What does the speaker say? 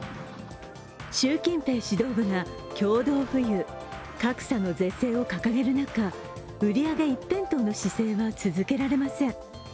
習近平指導部が共同富裕格差の是正を掲げる中売り上げ一辺倒の姿勢は続けられません。